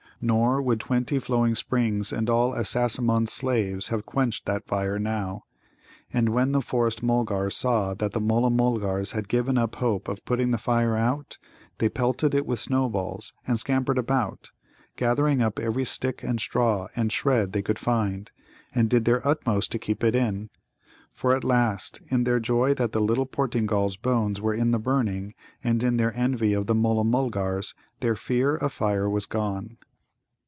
Nor would twenty flowing springs and all Assasimmon's slaves have quenched that fire now. And when the Forest mulgars saw that the Mulla mulgars had given up hope of putting the fire out, they pelted it with snowballs, and scampered about, gathering up every stick and straw and shred they could find, and did their utmost to keep it in. For at last, in their joy that the little Portingal's bones were in the burning, and in their envy of the Mulla mulgars, their fear of fire was gone.